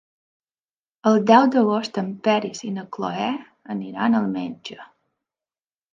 El deu d'agost en Peris i na Cloè aniran al metge.